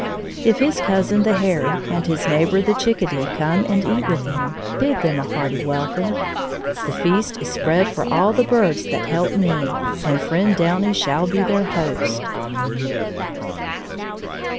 If his cousin the hairy and his neighbor the chickadee come and eat with him, bid them a hearty welcome. The feast is spread for all the birds that help men, and friend Downy shall be their host.